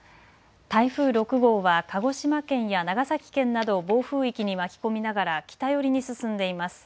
台風６号は鹿児島県や長崎県などを暴風域に巻き込みながら北寄りに進んでいます。